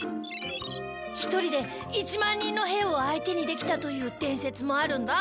１人で１万人の兵を相手にできたという伝説もあるんだ。